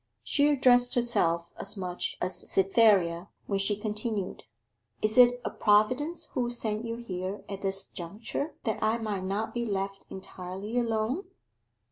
She addressed herself as much as Cytherea when she continued, 'Is it a Providence who sent you here at this juncture that I might not be left entirely alone?